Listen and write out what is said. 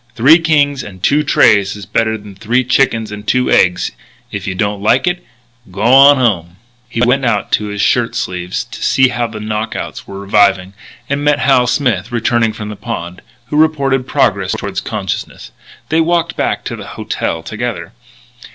Three kings and two trays is better than three chickens and two eggs. If you don't like it, g'wan home." He went out in his shirt sleeves to see how the knock outs were reviving, and met Hal Smith returning from the pond, who reported progress toward consciousness. They walked back to the "hotel" together.